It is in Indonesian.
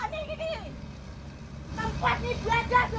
ini tempatnya belajar jadi tutup